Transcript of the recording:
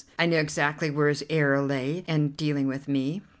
I knew exactly where his error lay in dealing with me.